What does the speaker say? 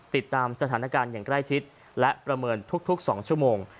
ติดตามสถานการณ์อย่างใกล้ชิดและประเมินทุก๒ชั่วโมง